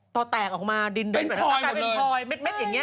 พอแตกออกมาดินเดินแบบนั้นก็กลายเป็นพลอยเม็ดอย่างนี้